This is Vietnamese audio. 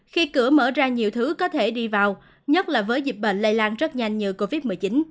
khi cửa mở ra nhiều thứ có thể đi vào nhất là với dịch bệnh lây lan rất nhanh như covid một mươi chín